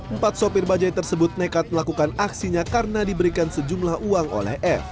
empat sopir bajai tersebut nekat melakukan aksinya karena diberikan sejumlah uang oleh f